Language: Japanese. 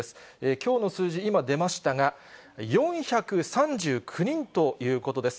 きょうの数字、今、出ましたが、４３９人ということです。